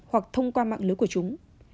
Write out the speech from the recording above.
hoặc thông qua mạng lưới của chúng